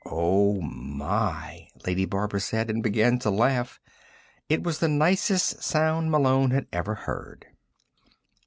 "Oh, my," Lady Barbara said and began to laugh. It was the nicest sound Malone had ever heard.